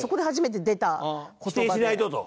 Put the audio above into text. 「否定しないと」と。